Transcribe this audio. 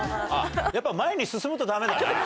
やっぱ前に進むとダメだな。